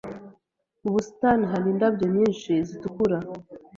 Mu busitani hari indabyo nyinshi zitukura.